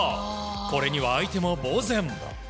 これには相手もぼうぜん。